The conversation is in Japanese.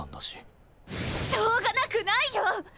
しょうがなくないよ！